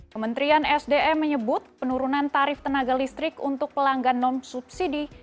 kementerian sdm menyebut penurunan tarif tenaga listrik untuk pelanggan non subsidi